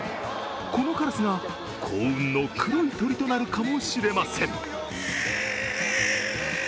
このカラスが幸運の黒い鳥となるかもしれません。